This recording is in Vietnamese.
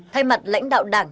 thay mặt lãnh đạo đảng